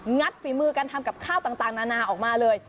ัดฝีมือการทำกับข้าวต่างนานาออกมาเลย